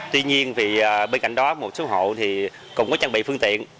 tuy nhiên bên cạnh đó một số hộ thì cũng có trang bị phương tiện